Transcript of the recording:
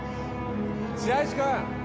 白石君。